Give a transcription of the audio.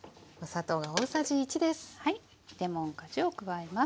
はいレモン果汁を加えます。